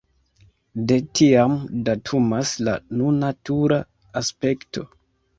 De tiam datumas la nuna tura aspekto.